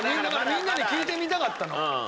みんなに聞いてみたかったの。